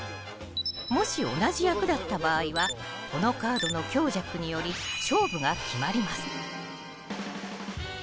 もし同じ役だった場合はこのカードの強弱により勝負が決まります。